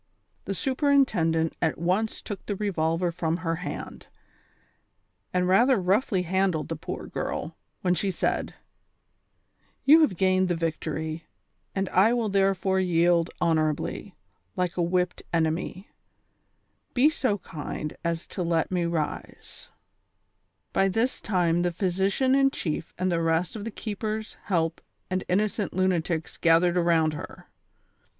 The superintendent at once took the revolver from her hand, and rather roughly handled the poor girl, w^hen she said :" You have gained the victory, and I will therefore yield honorably, like a whipped enemy ; be so kind then as to let me rise." 200 THE SOCIAL WAR OF 1900; OR, By this time the physician in chlef and tlie rest of the keepers, help and innocent lunatics gathered around her.